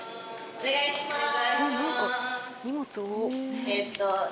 お願いします。